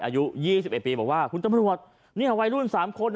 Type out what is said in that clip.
อายุ๒๑ปีบอกว่าคุณตำรวจเนี่ยวัยรุ่น๓คน